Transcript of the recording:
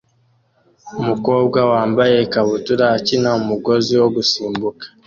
Umukobwa wambaye ikabutura akina umugozi wo gusimbuka